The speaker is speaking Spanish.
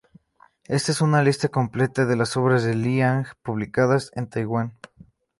Esta es una lista completa de las obras de Li Ang publicadas en Taiwán.